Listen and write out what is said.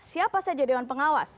siapa saja dewan pengawas